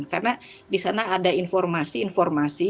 karena disana ada informasi informasi